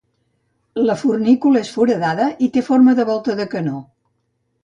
La fornícula és foradada i té forma de volta de canó.